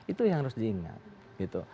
itu yang harus diingat gitu